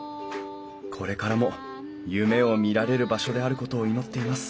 これからも夢を見られる場所であることを祈っています